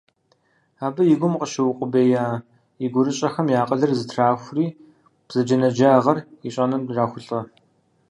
Абы и гум къыщыукъубея и гурыщӏэхэм и акъылыр зэтрахури, бзаджэнаджагъэр ищӏэным ирахулӏэ.